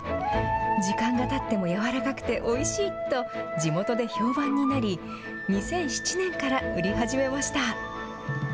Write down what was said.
時間がたっても軟らかくておいしいと地元で評判になり、２００７年から売り始めました。